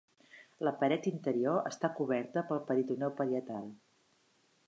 La paret interior està coberta pel peritoneu parietal.